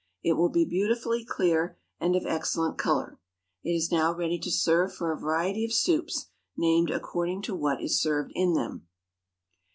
It will be beautifully clear and of excellent color. It is now ready to serve for a variety of soups, named according to what is served in them.